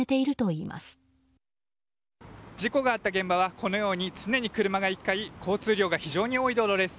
事故があった現場はこのように常に車が行き交う交通量の多い道路です。